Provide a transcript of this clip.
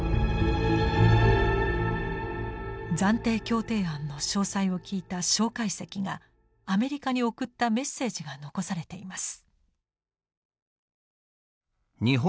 暫定協定案の詳細を聞いた介石がアメリカに送ったメッセージが残されています。